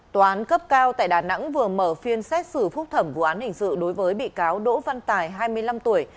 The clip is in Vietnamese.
tòa án cấp cao tại đà nẵng vừa mở phiên xét xử phúc thẩm vụ án hình sự đối với bị cáo đỗ văn tài hai mươi năm tuổi